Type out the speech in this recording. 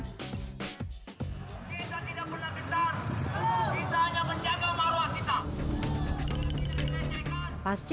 kita tidak pernah gentar kita hanya menjaga maruah kita